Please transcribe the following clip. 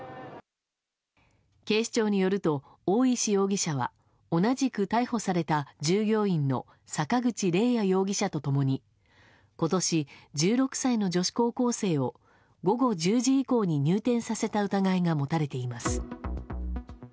警視庁によると、大石容疑者は同じく逮捕された従業員の坂口怜也容疑者と共に今年、１６歳の女子高校生を午後１０時以降に入店させた疑いが持たれています。